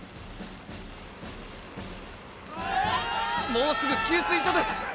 もうすぐ給水所です！